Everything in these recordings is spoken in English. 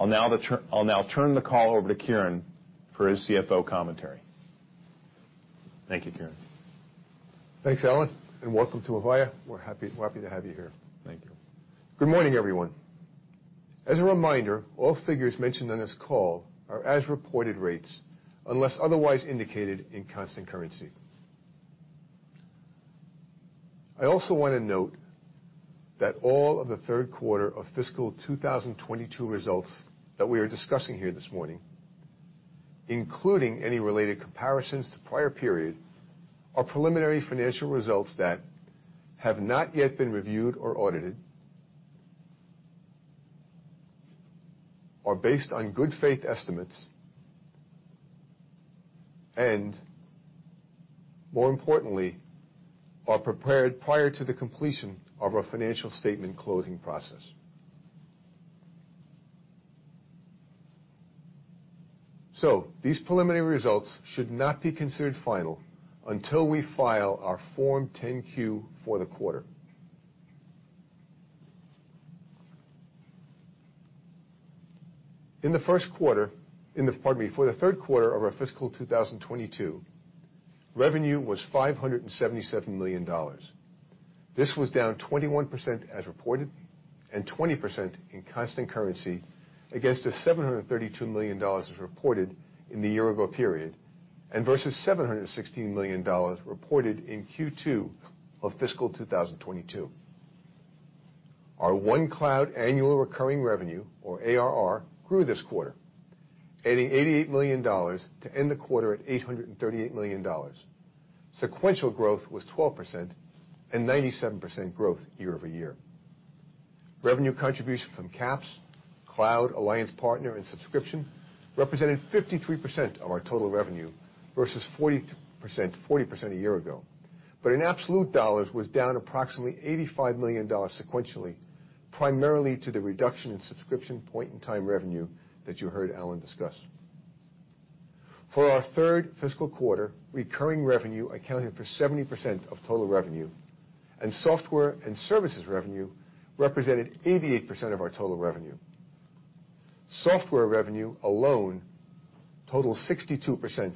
I'll now turn the call over to Kieran for his CFO commentary. Thank you, Kieran. Thanks, Alan, and welcome to Avaya. We're happy to have you here. Thank you. Good morning, everyone. As a reminder, all figures mentioned on this call are as reported rates unless otherwise indicated in constant currency. I also wanna note that all of the third quarter of fiscal 2022 results that we are discussing here this morning, including any related comparisons to prior period, are preliminary financial results that have not yet been reviewed or audited, are based on good faith estimates, and more importantly, are prepared prior to the completion of our financial statement closing process. These preliminary results should not be considered final until we file our Form 10-Q for the quarter. For the third quarter of our fiscal 2022, revenue was $577 million. This was down 21% as reported and 20% in constant currency against the $732 million as reported in the year-ago period and versus $716 million reported in Q2 of fiscal 2022. Our OneCloud annual recurring revenue, or ARR, grew this quarter, adding $88 million to end the quarter at $838 million. Sequential growth was 12% and 97% growth year-over-year. Revenue contribution from CAPS, Cloud, Alliance Partner, and Subscription represented 53% of our total revenue versus 40% a year ago, but in absolute dollars was down approximately $85 million sequentially, primarily to the reduction in subscription point-in-time revenue that you heard Alan discuss. For our third fiscal quarter, recurring revenue accounted for 70% of total revenue, and software and services revenue represented 88% of our total revenue. Software revenue alone totals 62%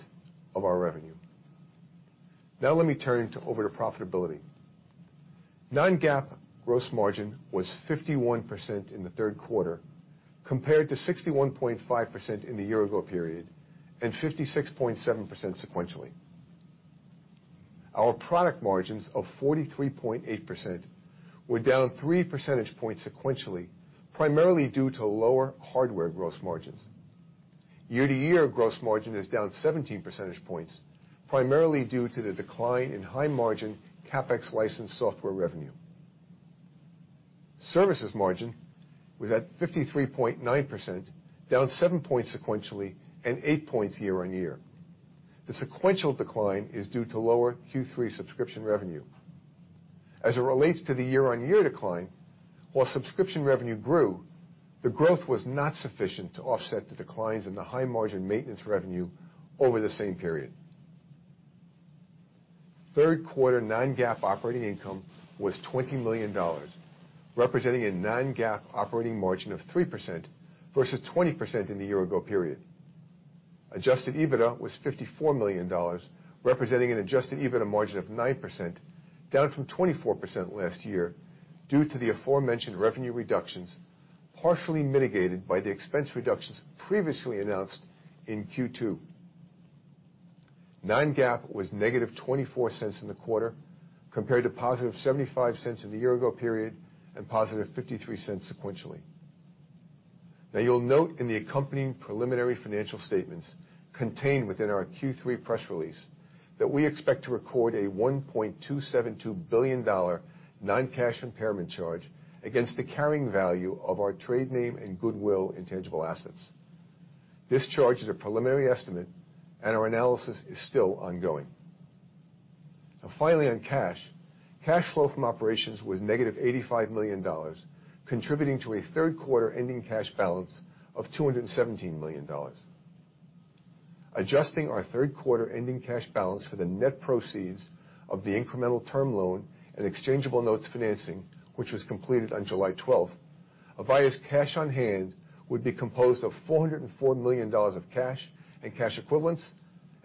of our revenue. Now let me turn to profitability. Non-GAAP gross margin was 51% in the third quarter, compared to 61.5% in the year-ago period and 56.7% sequentially. Our product margins of 43.8% were down three percentage points sequentially, primarily due to lower hardware gross margins. Year-over-year gross margin is down 17 percentage points, primarily due to the decline in high-margin CapEx license software revenue. Services margin was at 53.9%, down seven points sequentially and eight points year-over-year. The sequential decline is due to lower Q3 subscription revenue. As it relates to the year-over-year decline, while subscription revenue grew, the growth was not sufficient to offset the declines in the high-margin maintenance revenue over the same period. Third quarter non-GAAP operating income was $20 million, representing a non-GAAP operating margin of 3% versus 20% in the year-ago period. Adjusted EBITDA was $54 million, representing an adjusted EBITDA margin of 9%, down from 24% last year due to the aforementioned revenue reductions, partially mitigated by the expense reductions previously announced in Q2. Non-GAAP was $-0.24 in the quarter, compared to $+0.75 in the year-ago period and $+0.53 sequentially. Now, you'll note in the accompanying preliminary financial statements contained within our Q3 press release that we expect to record a $1.272 billion non-cash impairment charge against the carrying value of our trade name and goodwill intangible assets. This charge is a preliminary estimate, and our analysis is still ongoing. Finally on cash, cash flow from operations was $-85 million, contributing to a third quarter ending cash balance of $217 million. Adjusting our third quarter ending cash balance for the net proceeds of the incremental term loan and exchangeable notes financing, which was completed on July 12th, Avaya's cash on hand would be composed of $404 million of cash and cash equivalents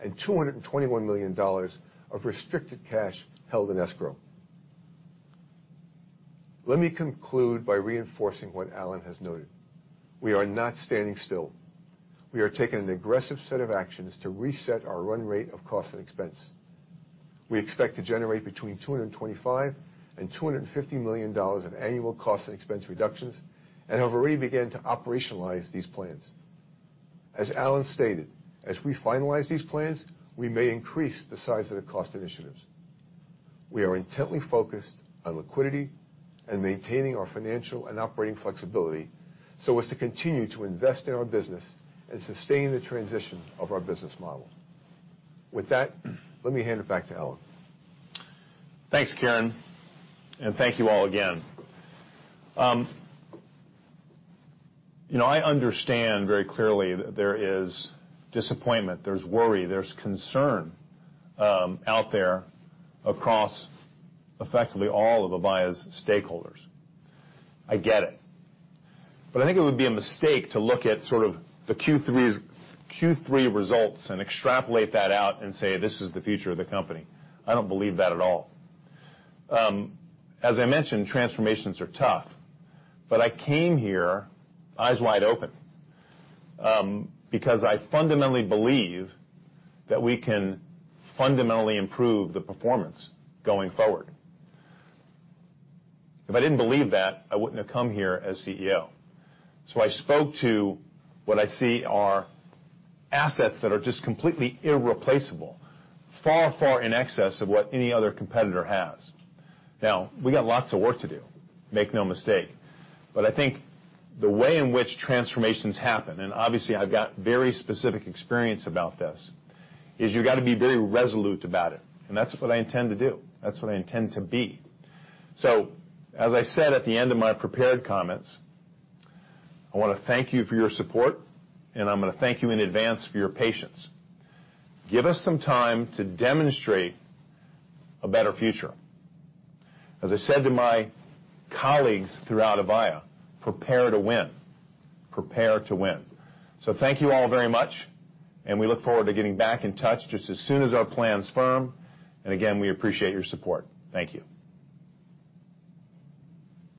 and $221 million of restricted cash held in escrow. Let me conclude by reinforcing what Alan has noted. We are not standing still. We are taking an aggressive set of actions to reset our run rate of cost and expense. We expect to generate between $225 million and $250 million of annual cost and expense reductions and have already began to operationalize these plans. As Alan stated, as we finalize these plans, we may increase the size of the cost initiatives. We are intently focused on liquidity and maintaining our financial and operating flexibility so as to continue to invest in our business and sustain the transition of our business model. With that, let me hand it back to Alan. Thanks, Kieran, and thank you all again. You know, I understand very clearly that there is disappointment, there's worry, there's concern, out there across effectively all of Avaya's stakeholders. I get it, but I think it would be a mistake to look at sort of the Q3 results and extrapolate that out and say, "This is the future of the company." I don't believe that at all. As I mentioned, transformations are tough, but I came here eyes wide open, because I fundamentally believe that we can fundamentally improve the performance going forward. If I didn't believe that, I wouldn't have come here as CEO. I spoke to what I see are assets that are just completely irreplaceable, far, far in excess of what any other competitor has. Now, we've got lots of work to do, make no mistake, but I think the way in which transformations happen, and obviously I've got very specific experience about this, is you've got to be very resolute about it, and that's what I intend to do. That's what I intend to be. As I said at the end of my prepared comments, I wanna thank you for your support, and I'm gonna thank you in advance for your patience. Give us some time to demonstrate a better future. As I said to my colleagues throughout Avaya, "prepare to win. Prepare to win. Thank you all very much, and we look forward to getting back in touch just as soon as our plans firm. Again, we appreciate your support. Thank you.